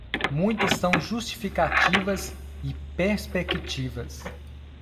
Muitas são justificativas e perspectivas.